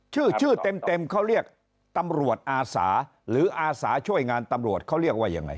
ชื่อชื่อเต็มเขาเรียกตำรวจอาสาหรืออาสาช่วยงานตำรวจเขาเรียกว่ายังไง